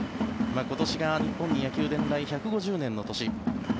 今年が日本に野球伝来１５０年の年。